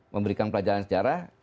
memberikan pelajaran sejarah